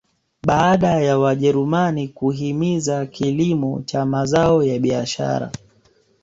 Baada ya wajerumani kuhimiza kilimo cha mazao ya biashara